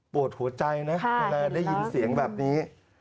ปวดหัวใจนะในแรงได้ยินเสียงแบบนี้